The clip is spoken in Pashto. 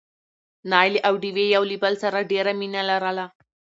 نايلې او ډوېوې يو له بل سره ډېره مينه لرله.